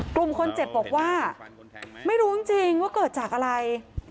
กลุ่มคนเจ็บบอกว่าไม่รู้จริงว่าเกิดจากอะไร